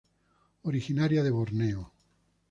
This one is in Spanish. Originaria de Borneo.